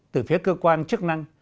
từ phía cơ quan chức năng